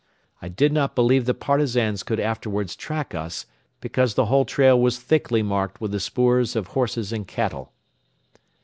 I did not believe the Partisans could afterwards track us because the whole trail was thickly marked with the spoors of horses and cattle.